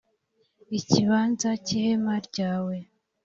ikibanza cy’ihema ryawe.